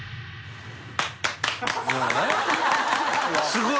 すごい。